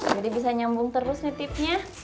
jadi bisa nyambung terus nitipnya